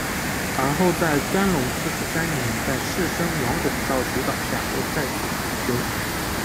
而后在干隆四十三年在士绅王拱照主导下又再次重修。